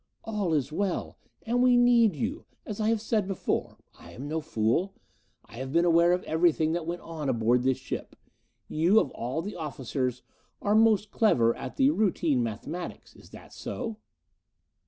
"All is well and we need you, as I have said before. I am no fool. I have been aware of everything that went on aboard this ship. You, of all the officers, are most clever at the routine mathematics. Is that so?"